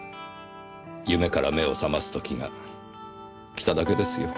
夢から目を覚ます時が来ただけですよ。